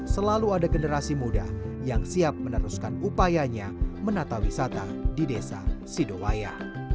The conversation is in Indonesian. selalu ada generasi muda yang siap meneruskan upayanya menata wisata di desa sidowaya